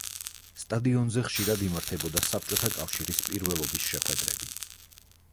სტადიონზე ხშირად იმართებოდა საბჭოთა კავშირის პირველობის შეხვედრები.